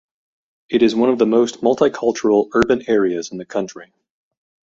It is one of the most multicultural urban areas in the country.